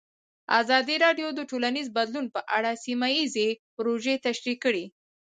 ازادي راډیو د ټولنیز بدلون په اړه سیمه ییزې پروژې تشریح کړې.